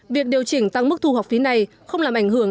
việc điều chỉnh tăng mức thu học phí này không làm ảnh hưởng